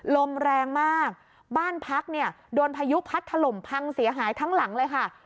ลมแรงมากบ้านพักเนี่ยโดนพายุพัดถล่มพังเสียหายทั้งหลังเลยค่ะ